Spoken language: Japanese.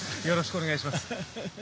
よろしくお願いします。